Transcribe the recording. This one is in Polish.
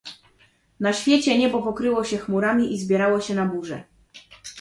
"Na świecie niebo pokryło się chmurami i zbierało się na burzę."